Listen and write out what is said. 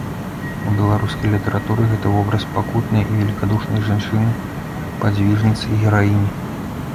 У беларускай літаратуры гэта вобраз пакутнай і велікадушнай жанчыны, падзвіжніцы і гераіні.